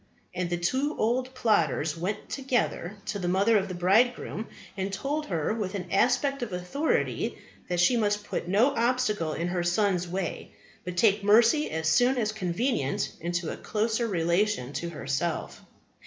And the two old plotters went together to the mother of the bridegroom, and told her with an aspect of authority that she must put no obstacle in her son's way, but take Mercy as soon as convenient into a closer relation to herself.